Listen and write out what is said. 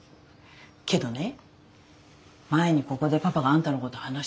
けどね前にここでパパがあんたのこと話した時。